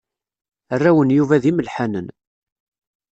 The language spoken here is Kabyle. Arraw n Yuba d imelḥanen.